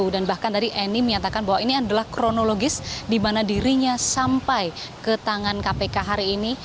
dan bahkan tadi eni menyatakan bahwa ini adalah kronologis di mana dirinya sampai ke tangan kpk hari ini